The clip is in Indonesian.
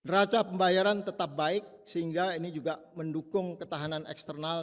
raca pembayaran tetap baik sehingga ini juga mendukung ketahanan eksternal